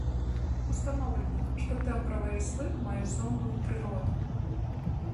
Устаноўлена, што тэмбравыя слых мае зонную прыроду.